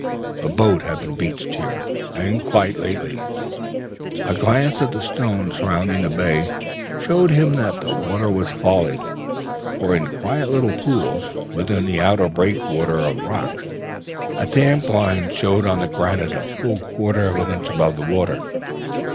A boat had been beached here, and that lately. A glance at the stones surrounding the bay showed him that the water was falling, for in quiet little pools, within the outer breakwater of rocks, a damp line showed on the granite a full quarter of an inch above the water.